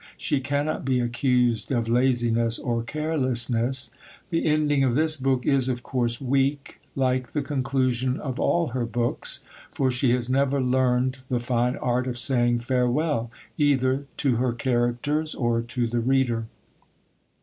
She cannot be accused of laziness or carelessness. The ending of this book is, of course, weak, like the conclusion of all her books, for she has never learned the fine art of saying farewell, either to her characters or to the reader.